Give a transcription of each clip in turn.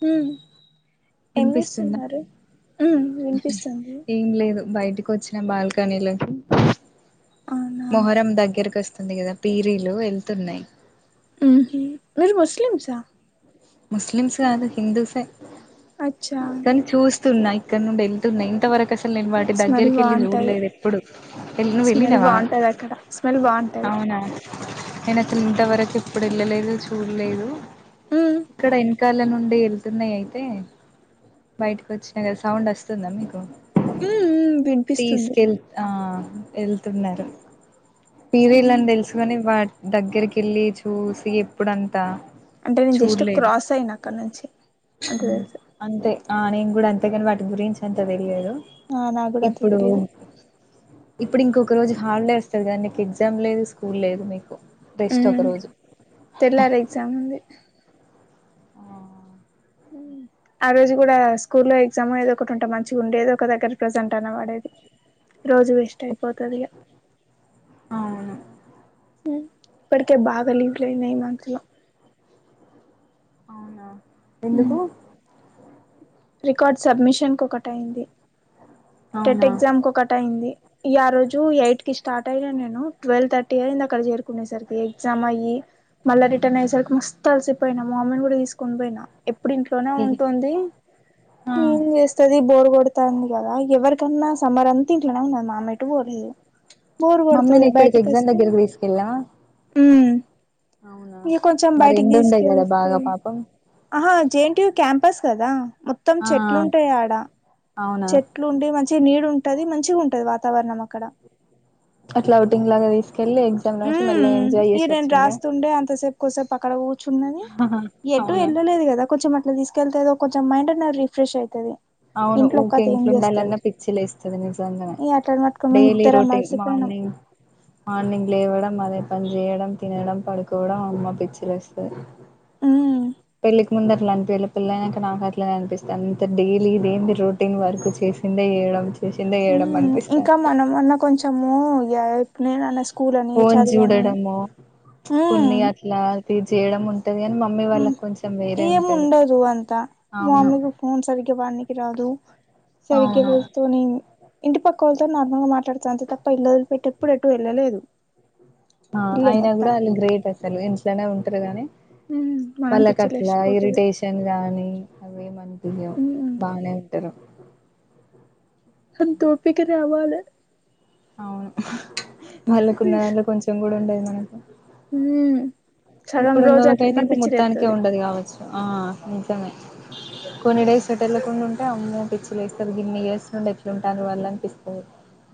ఊ విన్పిస్తుదా ఉమ్ వినిపిస్తుంది ఏం లేదు బై టికొచ్చినా బాల్కనీ లోకి అవునా మొహర్రం దగ్గరికొస్ తుంది గదా పీరీలు ఏళ్తున్నాయి ఊహూ మీరు ముస్లిమ్స్ ఆ ముస్లిమ్స్ కాదు హిందూస్ ఏ అచ్చా తున్నాయి ఇక్కడ నుండి ఎళ్తున్నాయి ఇంతవరకు అస్ ట్టల్ నేను వాటి స్మెల్ దగ్గరికెళ్ళి బాగుంటది చూడలేదు ఎప్పుడూ వెళ్ నువ్ స్మెల్ ఎళ్ళినవా బాగుంటది అక్కడ స్మెల్ బాగుంటది అవునా నేను అసలు ఇంతవరకు ప్పుడు ఎళ్ళలేదు చూడలేదు ఉమ్ ఇక్కడ ఎన్ కాల నుండి ఎళ్తున్నాయి అయితే బయటకి వచ్చినా గదా సౌండ్ వస్తుందా మీకు ఉమ్ ఉమ్ వినిపిస్తుంది తీసుకెళ్ ఆ ఎళ్తున్నరు హ్మ్. పీరీలని తెలుసు గానీ వాటి దగ్గరికెళ్ళి చూసి ఎప్పుడంతా అంటే నేను జస్ట్ చూడలేదు క్రాస్ అయినా అక్కడి నుంచి అంత తెలుసు అంతే ఆ నేను కూడా అంతే గానీ వాటి గురించి అంత తెలియదు ఆ నాకు గూడ అంత ఇప్పుడు తెలీదు ఇప్పుడు ఇంకొక రోజు హాలిడే వస్తది గా నీకు ఎగ్సామ్ లేదు స్కూల్ లేదు మీకు రెస్ట్ ఒక ఉమ్ రోజు తెల్లారి ఎగ్జామ్ ఉంది హూ ఆ రోజు కూడా స్కూల్ లో ఎగ్సామో ఏదో ఒకటి ఉంటే మంచిగుండేది ఒక దగ్గర ప్రసెంట్ అన్ళా వడేది రోజు వేస్ట్ అయిపోతది ఇగ అవును ఇప్పటికే బాగా లీవ్ లయినాయి ఈ మంత్ లో అవునా ఎందుకు రికార్డ్ సబ్మిషన్ కు ఒకటి అయ్యింది టెట్ అవునా ఎగ్సామ్ కు ఒకటి అయ్యింది ఈ ఆ రోజు ఎయిట్ కి స్టార్ట్ అయినా నేను టువల్ థర్టీ అయ్యింది అక్కడ చేరుకొనే సరి కి ఎగ్సామ్ అయ్యి మళ్ళ రిటన్ అయ్యేసరికి మస్తు అలసిపోయినా మా అమ్మీని గూడా తీసుకొని పోయినా ఎప్పుడు ఇంట్లోనే ఉంటుంది ఆ ఏం చేస్తది బోరు కొడుతా ఉంది గదా ఎవ్వరికన్నా సమ్మర్ అంతా ఇట్లేనే ఉన్నది నాన్న ఎటు పోలేదు బోరు మమ్మీని కొడతది ఎక్కడికి బయటకి ఎగ్జామ్ వస్తే దగ్గరకి తీసుకెళ్ళావా ఉమ్ అవునా ఇగ కొంచెం మరి బయటికి ఎండ ఉండే కదా తీసుకెళ్తూ బాగా పాపం ఆహా J N T U campus కదా మొత్తం ఆ చెట్లుంటాయి ఆడ. అవునా చెట్లు ఉండి మంచి మంచి నీడు ఉంటది మంచిగా ఉంటది వాతావరణం అక్కడ అట్లా ఔటింగ్ లాగా తీసుకెళ్ళి ఎగ్జామ్ రాసి మళ్ళీ ఉమ్ ఎంజాయ్ ఇగ చేసి నేను వచ్చిండ్రా రాస్తుండే అంత సెప్ కోసేపు అక్కడ కూచున్నది ఎటు అవునా ఎల్లాలేదు కదా కొంచెం అట్లా తీసుక్ కెళ్తే కొంచెం మైండ్ అన్నా రిఫ్రెష్ అయితది అవును ఇంట్లో ఊకే ఒక్కతే ఏం ఇంట్ల చేస్తది ఉండాలన్నా పిచ్చి లేస్తుది నిజంగా ఇగ అట్లని పట్టుకొని మేము డెలీ ఇద్దరం రొటీన్ అలసిపోయినాం మార్నింగ్ మార్నింగ్ లేవడం మదే పనిచేయడం తినడం పడుకోవడం అమ్మా పిచ్చి లేస్తది ఉ పెళ్ళకి ముందు అట్లా అనిపియాలే పిల్లయినాక నాకు అట్లేనే అనిపిస్తంది అంత డైలీ ఇది ఏంది రొటీన్ వర్క్ చే చిందే చేయడం చేసిందే చేయడం ఉమ్ ఇంకా అనిపిస్తాంది మనమన్నా కొంచము యాక్ నేను అనస్ ఫోన్ చూడడము వుచ్ కొన్ని అట్లా అది చేయడం ఉంట్ ఉమ్ ఏం ఉండదు అంతా అవును మామ్మీగ ఫోన్ సరిగ్గా పనికి రాదు సరిగ అవును వాళ్ళతోని ఇంటి పక్క వాళ్ళతో నార్మల్ గా మాట్లాడుత అంతే తప్ప ఇల్ వదిలి పెట్టి ఆ ఇల్లే అయినా మొత్తం కూడా ఆల్లు గ్రేట్ అసలు ఇంట్లోనే ఉంటారు గానీ హుమ్ వాళ్ళకట్లా ఇరిటేషన్ గానీ ఏమనిపోయదో ఉమ్ బానే ఉట్టరు అంత ఓపిక రావాల అవును వాళ్ళకున్న దాంలో కొంచెం కూడా ఉండది మనకు హుమ్ ఇప్పుడు ఉన్నోలకైతే ఇంకా మొత్తానికే ఉండదు కావచ్చు ఆ నిజమే కొన్ని డేస్ ఎటు ఏళ్ళకుండా ఉంటే అమ్మో పిచ్చి లేస్తది గిన్ని ఇయర్స్ ఎట్లుంటారు వాళ్ళు అనిపిస్తంది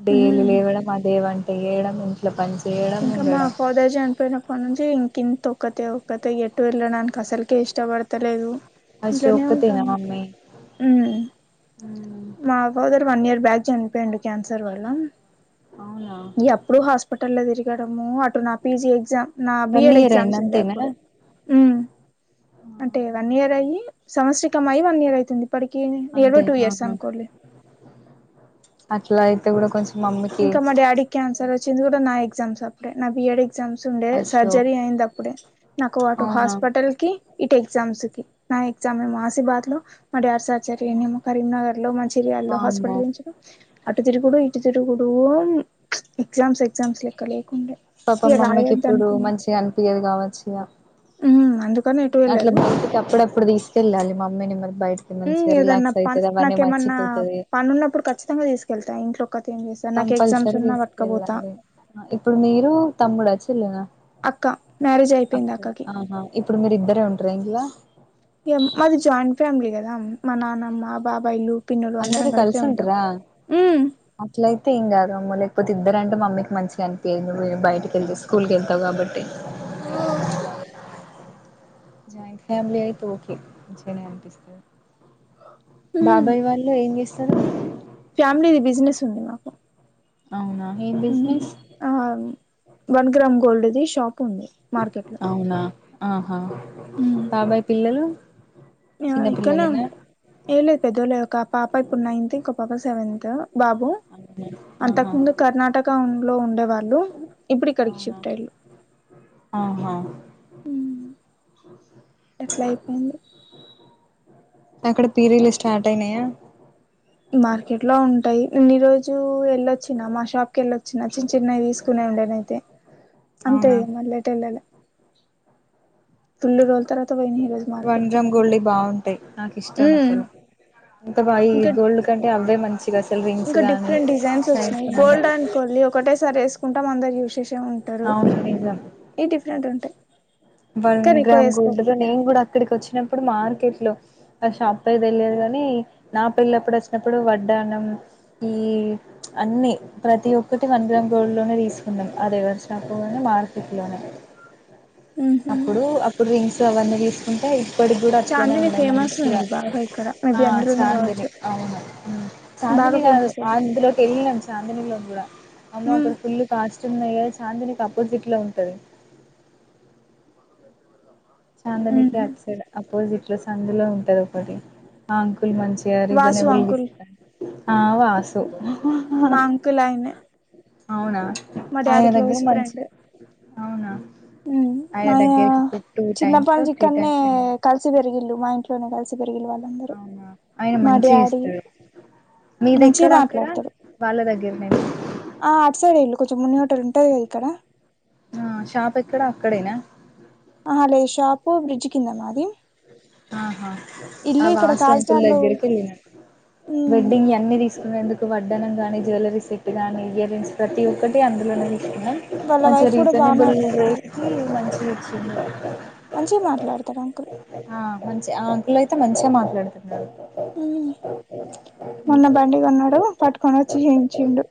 డేలీ ఉమ్ లేవడం అదేవంట ఏయడం ఇంట్లో పని చే ఇంకా మా ఫాదర్ జనిపోయినప్పటి నుంచి ఇంకి ఒక్కతే ఒక్కతే ఎటు వెళ్ళడానికి అసలుకే ఇష్టపడతలేదు ఇంట్లోనే అసోక్కతేనా ఉంటంది మమ్మీ ఉమ్ హ్మ్. మా బదర్ వన్ ఇయర్ బ్యాక్ చనిపోయిండు క్యాన్సర్ వల్ల అవునా ఇగ అప్పుడు హాస్పటల్ల తిరిగి తీర్గడము అటు నా పిజి ఎగ్జామ్ నా బి వన్ ఎడ్ ఇయర్ అయింది ఎగ్జామ్స్ ఉండే అంతేనా అప్పుడు అంటే ఆహా వన్ ఇయర్ అయి సంవత్సరికం అయి వన్ ఇయర్ అయితుంది అప్పటికి నేన్ ఏదో అంతే టు ఇయర్స్ ఆహా అనుకోల్లి అట్లా అయితే కూడా కొంచెం మమ్మీకి ఇంకా మా డాడీకి క్యాన్సర్ వచ్చింది కూడా నా ఎగ్జామ్స్ అప్పుడే నా బి ఎడ్ ఎగ్జామ్స్ ఉండే సర్జరీ అయింది అప్ అ నాకు అటు హాస్పిటల్ కి ఇటు ఎగ్జామ్స్ కి నా ఎగ్జామ్ ఏమో ఆసిబాద్ లో మా డాడీ సర్జరీ ఏమో కరీంనగర్ లో మంచిర్యాలలో హాస్పిటల్ వామ్మో చూయించిర్రు అటు తిరుగుడు ఇటు తిరుగు డు ఎగ్జామ్స్ ఎగ్జామ్స్ లెక్కలేవు పాపం మమ్మీకి ఇప్పుడు మంచిగా అనిపియ్యది కావచ్చు ఇగ ఉమ్ అందుక్ అట్లా బయటికి అప్పుడప్పుడు తీసుకెళ్ళాలి మమ్మీని మరి బయటికి హ్మ్ మంచిగా ఏదన్నా రిలాక్స్ పన్ అయితది అవన్నీ నాకేమన్నా మరిచిపోతది పనున్నప్పుడు ఖచ్చితంగా తీసుకెళ్తా ఇంట్లోక్కతే ఏం చేస్తా నాకు ఎగ్జామ్స్ కంపల్సరీ ఉన్నా పట్టుకపోతా తీసుకెళ్ళాలి ఇప్పుడు మీరు తమ్ముడా చి అక్క మ్యారేజ్ అయిపోయింది అక్కడ అక్కకి ఆహా ఇప్పుడు మీరి ఇద్దరే ఉంటార ఇంకలా ఇగ మాది జాయింట్ ఫ్యామిలీ కదా మా నానమ్మ బాబాయిలు పిన్నులు అందరం అందరు కలిసే ఉంటాం కల్సుంట్ర హ్మ్ అట్లైతే ఏం కాదు అమ్మో లేకపోతే ఇబ్ ద్దరంటే మమ్మీకి మంచిగానిపియద్ నువ్వు బయకి వెళ్తే స్కూల్కి వెళ్తావు కాబట్టి ఆ జాయింట్ ఫ్యామిలీ అయితే ఓకే మంచినే అనిపిస్తది హ్మ్ బాబాయి వాళ్ళు ఏం చేస్తారు ఫ్యామిలీది బిజినెస్ ఉంది మాకు అవునా ఏం ఊ బిజినెస్ ఆ వన్ గ్రామ్ గోల్డ్ది షాప్ ఉంది మార్కెట్ లో అవునా ఆహా బాబాయ్ పిల్లలు ఎమో చిన్న ఇక్కనే ఉం పిల్లలేనా ఏ పెద్దోలే ఒక పాప పాప ఇప్పుడు నైన్త్ ఇంకో పాప సెవెంత్ బాబు అవునా, ఆహా అంతకుముందు కర్ణాటక లో ఉండే వాళ్ళు ఇప్పుడు ఇక్కడికి అవునా షిఫ్ట్ అయ్యిళు ఆహా ఎట్లా అయిపోయింది అక్కడ పీరీలు స్టార్ట్ అయినాయా మార్కెట్ లో ఉంటాయి నేను ఈ రోజు వెళ్ళొచ్చినా మా షాప్ కి వెళ్ళొచ్చిన చిన్న చిన్నవి తీసుకునే ఉండనయితే అంత అవునా ఇగ మళ్లెటెళ్లలే ఫుల్ రోల్ తర తపోయిన ఈ రోజు వన్ మార్కెట్ గ్రామ్ మళ్ళీ గోల్డ్‌వి బాగుంటాయి ఊ అంత బా ఈ గోల్డ్ కంటే అవే మంచి అసలు రింగ్స్ ఇంకా కాగా డిఫరెంట్ డిజైన్స్ చైన్స్ వచ్చినాయి గానీ గోల్డ్ అండ్ ఎ ఉంటారు అవును నిజం ఈ డిఫరెంట్ ఉంటాయి వన్ కానీ ఎక్కువ గ్రామ్ గుోడ్ లో వేసుకోబుద్ది నేను కాలే కూడా అక్కడికి వచ్చినప్పుడు మార్కెట్ లో ఆ షాప్ పేరు తెలిదు గానీ నా పిల్లప్పుడు వచ్చినప్పుడు వడ్డానం ఈ అన్ని ప్రతి ఒక్కటి వన్ గ్రామ్ గోళలోనే తీసుకునం అదే ఎవర్ చాపోగాని మార్కెట్ లోనే ఉహు అప్పుడు అప్పుడు రింగ్స్ అవన్నీ తీసుకుంటాయి ఇప్పటికి కూడా అట్లనే చాందిని ఉండయి ఫేమస్ మంచిగా ఉంది బాగా ఇక్కడ ఆ మేబీ అందులోనే చాందిని కావచ్చు అవును బాగా చాందినీ కాదు ఫేమస్ అది అందులోకి వెళ్ళినాం చాందినీలోకి కూడా అమ్మ అక్కడ ఉమ్ ఫుల్ కాస్ట్యూ వున్నది కదా చాందినికి అపోజిట్ లో ఉంటది చాందనికి అట్ సైడ్ అపోజిట్ లో సందులో ఉంటది ఒకటి ఆ ల్ మంచి వాసు రీజనబుల్ అంకుల్ ఇస్తాండు ఆ వాసు మాంకులయిన అవునా మ ఆయన డాడి దగ్గర క్లోస్ మంచి ఫ్రెండ్ ఏ అవునా ఆయన దగ్గరికి ఇప్పుడు టూ చిన్న టైమ్స్ పని నుంచి త్రీ ఇక్కన్నే టైమ్స్ వెళ్ళిన కలిసి పెరిగిలు మా ఇంట్లోనే కలిసి పెరిగిలి వాళ్ళందరూ అవునా ఆయన మా మంచిగా డాడీ ఇస్తాడు మీది మంచిగా ఎక్కడ అక్కడ మాట్లాడతాడు వాళ్ళ దగ్గరనేనా ఆ అటు సైడ్ వెేళు కొంచెం మున్న టల్ ఉంటంది కదా ఇక్కడ ఆ షాప్ ఎక్కడ అక్కడేనా ఆహా లేదు షాపు బ్రిడ్జ్ కింద మాది ఆహా అ ఇల్లు ఇక్కడ కాకినాడ లో వాస్వంకుల్గ్రకిలి వెళ్లినా ఉమ్ వెడ్టింగ్ ఎన్ని తీసుకోందుకు వడ్డనం కాని జ్యువలరీ సెట్ కాని ఇయర్ రింగ్స్ ప్రతి ఒక్కటి అందులోనే వాళ్ళ మంచి వైఫ్ కూడా బాగా రీజనబుల్ మాట్లాడుతది రేట్కి మంచి వచ్చింది మంచిగా మాట్లాడతారు అంకుల్ అ మంచి ఆ అంకుల్లో అయితే మంచిగా మాట్లాడుతున్నారు ఉమ్ మొన్న బండిగా ఉన్నాడు పట్టుకొని వచ్చి చేయించండు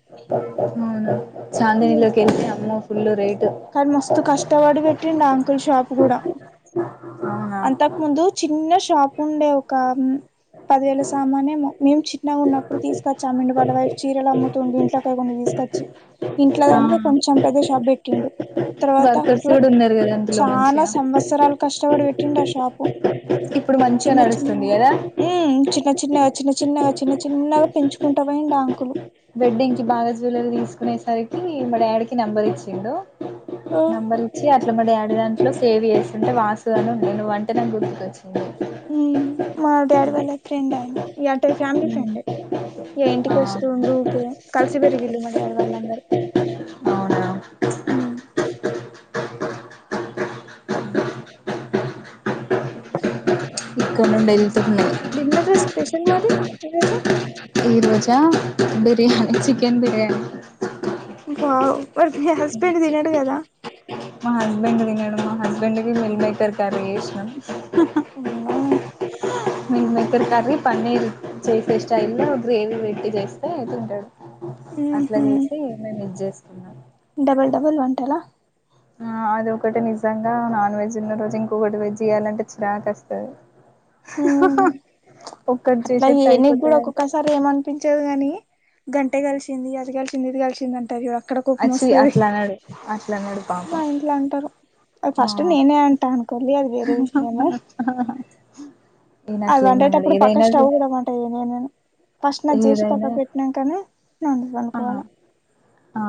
అవును చాందనీలోకి ఎ అమ్మో ఫుల్ రేటు కానీ మస్తు కష్టపడి పెట్టండి అంకుల్ షాప్ కూడా అవునా అంతకు ముందు చిన్న షాప్ ఉండే ఒక పదివేల సామాన్యం మేము చిన్నగా ఉన్నప్పుడు తీసుకొచ్చామండి వాళ్ళ వైఫ్ చీరలు అమ్ము ఇంట్లో కొండా తీసుకొచ్చి ఆ ఇంట్లోదనక కొంచెం పెద్ద షాప్ పెట్టిండు తర్వాత వర్కర్స్ అక్కలా కూడా ఉన్నారు కదా అందులో చాలా మంచిగా సంవత్సరాలు కష్టపడి పెట్టిండు ఆ షాపు ఇప్పుడు మంచిగా చిన్న చిన్నఉ నడుస్తుంది కదా చిన్న చిన్నగా చిన్న చిన్నగా చిన్న చిన్నగా పెంచుకుంటా అ అంకులు వెడ్డింగ్ కి బాగా జ్యవలరీ తీసుకునేసరికి మా డాడకి నెంబర్ ఇచ్చిండు నంబర్ ఇచ్చి ఇట్లా డాడి దాంట్లో సేవ చేస్తుంటే వాస్తుగాలను ఉండవువ్వు అంటనే గుర్తుకవచ్చు మా డాడీ వాళ్ళ ఫ్రెండ్ ఆయన అంట ఫ్యామిలీ ఫ్రెండ్ యే ఇంటికి ఆ వస్త ఉండు యూకే కలిసి బరిగిల్లు మాడడియాళ్వళ్ళందరు అవునా చెట్న్నా ఇక్క ఉండే [unintelligible] డిన్నర్ స్పెషల్ మరి ఈరోజు ఈ రోజాఅ బిర్యానీ చికెన్ బిర్యానీ బారి మీ హస్బెండ్ తినడు కదా మా హస్బెండ్ది మేడం మా హస్బెండ్ కి మిల్ మేకర్ కర్రీ చేసినం ఉన్నా మంట్మిక్కర కర్రీ పన్నీర్ చేసే స్టైల్ గ్రేవీ పెట్టి చేస్తే త్తింటాడు అట్లా ఉహు చేసి మేము ఇది చేస్తా డబల్ డబల్ వంటలా అది ఒకటి నిజంగా నాన్ వెజ్ ఉన్న రోజు ఇంకొకటి వెజ్ చేయాలంటే చిరా కస్తది ఉమ్ అట్లా ఏ చేసేట్టు నీకు కూడా అయిపోతదంటే ఒక్కొక్కసారి ఏమనిపించదు గాని గంటే కలిసింది అది కలిసింది ఇది కలిసింది అంటారు ఇవా అక్కడ కుపం అచ్చి వస్తుంది అట్లా అనడు అట్లా అనడు మా పాపం. ఇంట్లో అంటారు అది ఆ ఫస్ట్ నేనే అంటా అనుకోంంది అది వేరే విషయము ఏన్ అక్లే ఇ ఈ మనడ ఏదై [unintelligible] ఫస్ట్ స్టవ్ మీద వంట చెయ్యాలె నేను ఫస్ట్ నాక్ చేసి ఏదైనా పక్కకు పెట్టినాంకా నే నాన్ వెజ్ ఆ అందుకోవాల ఆ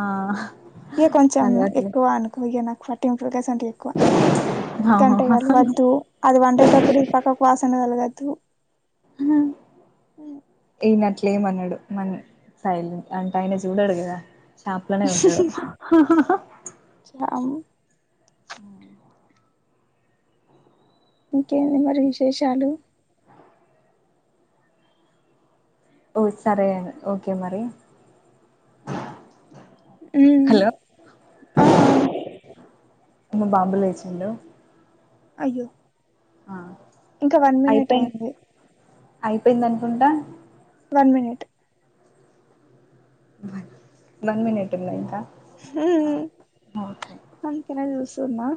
ఇంక కొంచెం అలవాట్లే ఎక్కువ అనుకో ఇగ నాకు ఫట్టింపులు ఎక్కువ గంట ఆహా కలవద్దు అది వండేటప్పుడు ఇది పక్కకు వాసన కలగద్దు త [unintelligible] ఈయనట్లేమన్నాడు మ సైలట్ అంటా అన చూడడుగదా షాప్లోనే ఉంటాడు చాము ఇంకేంటి మరి విశేషాలు ఓ సరే ఓకే మరి ఉమ్మ్ హలో ఆహ్ మా బాబు లేచిండు అయ్యో ఆ ఇంకా వన్ మినిటే అయిపోయింది ఉంది అయిపోయింది అనుకుంటా one minute one, one minute ఉందా ఇంకా ఉమ్మ్ ఓకే అందుకనే చూసున్నా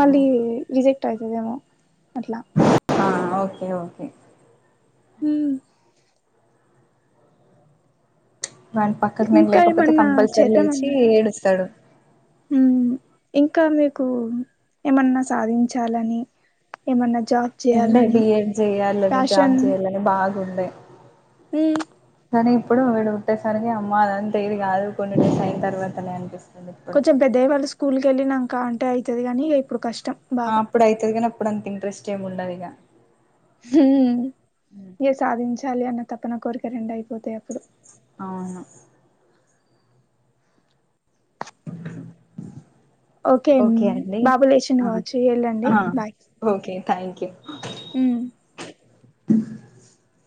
మళ్ళీ రిజెక్ట్ అయితదేమో అట్లా ఆ ఓకే ఓకే ఉమ్మ్ వాడి పక్కకు నేను ఇంకా లేకపోతే ఏమన్నా కంపల్సరీ లేచి చేద్దామన్నారా ఏడుస్తాడు ఉమ్మ్ ఇం కా మీకు ఏమన్నా సాధించాలని ఏమన్నా జాబ్ ఉండే చేయాలని బిఎడ్ జేయ్యాలని జాబ్ జేయ్యాలని బాగుండే ఉమ్మ్ కానీ ఇప్పుడు వీడు పుట్టేసరికి అమ్మ అదంతా అయ్యేది కాదు కొన్ని డేస్ అయిన తర్వాతనే అనిపిస్తు కొంచెం పెద్దగయ్యి వాళ్ళు స్కూల్‌కి ఎళ్ళినంక అంటే అయితది కాని ఇగ ఇప్పుడు క ఆ అప్పుడు అయితది కానీ అప్పుడు అంత ఇంట్రెస్ట్ ఏమి ఉండదు ఇగ ఉహ్మ్ ఇగ సాధించాలి అన్న తపన కోరిక రెండు అయిపోతాయి అప్పుడు అవును ఓకే అండి బాబు లేచిండు ఆ కావచ్చు వెళ్ళండి ఆ ఓకే థ్యాంక్ యూ ఉమ్మ్ [inaudible]